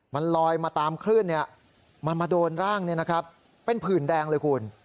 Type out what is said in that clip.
มันลอยมาตามขึ้นเนี่ยมันมาโดนร่างเนี่ยนะครับเป็นผื่นแดงเลยคุณ